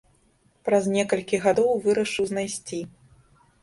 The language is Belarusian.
Праз некалькі гадоў вырашыў знайсці.